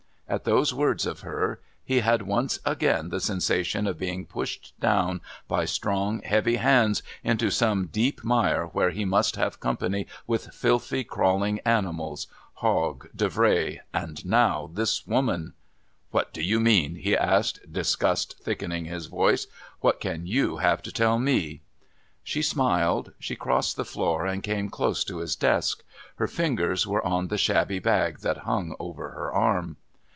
At those words of hers he had once again the sensation of being pushed down by strong heavy hands into some deep mire where he must have company with filthy crawling animals Hogg, Davray, and now this woman.... "What do you mean?" he asked, disgust thickening his voice. "What can you have to tell me?" She smiled. She crossed the floor and came close to his desk. Her fingers were on the shabby bag that hung over her arm.